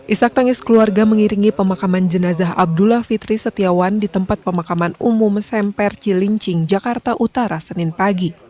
isak tangis keluarga mengiringi pemakaman jenazah abdullah fitri setiawan di tempat pemakaman umum semper cilincing jakarta utara senin pagi